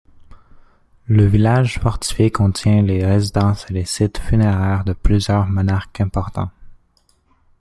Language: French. Le village fortifié contient les résidences et les sites funéraires de plusieurs monarques importants.